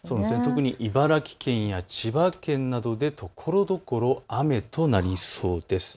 特に茨城県や千葉県などでところどころ雨となりそうです。